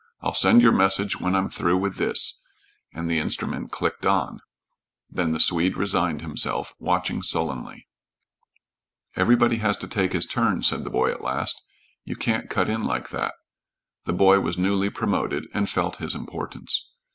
I'll send your message when I'm through with this," and the instrument clicked on. Then the Swede resigned himself, watching sullenly. "Everybody has to take his turn," said the boy at last. "You can't cut in like that." The boy was newly promoted and felt his importance.